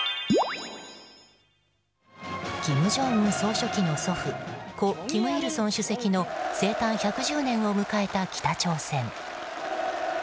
金正恩総書記の祖父故・金日成主席の生誕１１０年を迎えた北朝鮮。